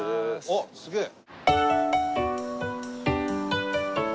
あっすげえ！